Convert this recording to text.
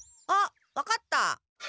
あっ分かった！